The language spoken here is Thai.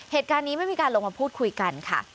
เหตุการณ์นี้ไม่มีการลงมาพูดคุยกันค่ะ